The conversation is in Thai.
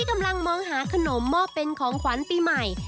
มองหาขนมมอบเป็นของขวัญปีใหม่